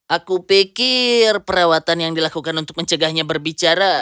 aku pikir perawatan yang dilakukan untuk mencegahnya berbicara